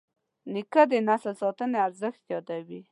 نیکه د نسل ساتنې ارزښت یادوي.